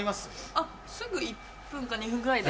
あっすぐ１分か２分ぐらいで。